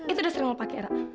itu udah sering gue pake ra